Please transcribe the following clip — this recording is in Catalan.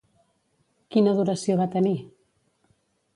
Quina duració va tenir?